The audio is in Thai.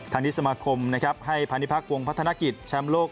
ธนิสมคมให้พันธภาควงพัฒนากิจแชมป์โลก